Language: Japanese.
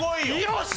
よし！